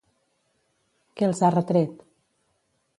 Què els ha retret?